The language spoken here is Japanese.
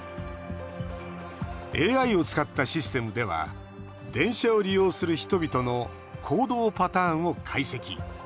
ＡＩを使ったシステムでは電車を利用する人々の行動パターンを解析。